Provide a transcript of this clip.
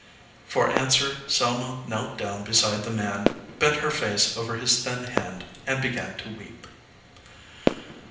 For answer Selma knelt down beside the man, bent her face over his thin hand and began to weep.